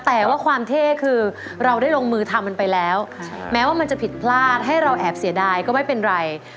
แต่ว่าความเท่คือเราได้ลงมือทำมันไปแล้วแม้ว่ามันจะผิดพลาดให้เราแอบเสียดายก็ไม่เป็นไร